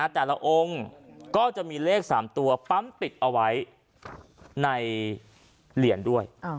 แต่ละองค์ก็จะมีเลข๓ตัวปั๊มปิดเอาไว้ในเหรียญด้วย